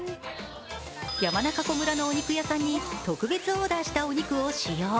山中湖村のお肉屋さんに特別オーダーしたお肉を使用。